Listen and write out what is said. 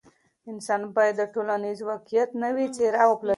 انسان باید د ټولنیز واقعیت نوې څېره وپلټي.